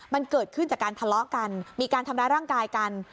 มันเกิดขึ้นจากการทะเลาะกันมีการทำร้ายร่างกายกัน